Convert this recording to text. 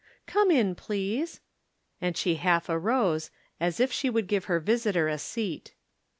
" Come in, please," and she half arose, as if she would give her visitor a seat.